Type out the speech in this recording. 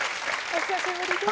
お久しぶりです